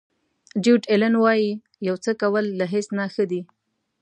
ډیویډ الین وایي یو څه کول له هیڅ نه ښه دي.